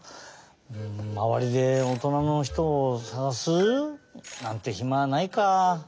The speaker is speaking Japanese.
まわりでおとなのひとをさがす？なんてひまはないか。